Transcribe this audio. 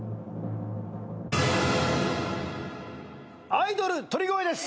アイドル鳥越です。